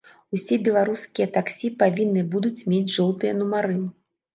Усе беларускія таксі павінны будуць мець жоўтыя нумары.